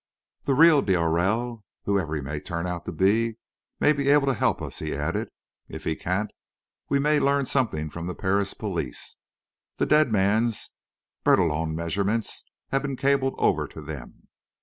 "The real d'Aurelle, whoever he may turn out to be, may be able to help us," he added. "If he can't, we may learn something from the Paris police. The dead man's Bertillon measurements have been cabled over to them.